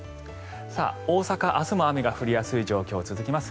大阪、明日も雨が降りやすい状況が続きます。